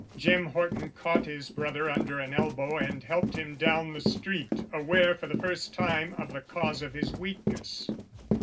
Jim Horton caught his brother under an elbow and helped him down the street, aware for the first time of the cause of his weakness.